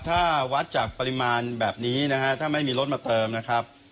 ถ้าวัดจากปริมาณแบบนี้นะครับ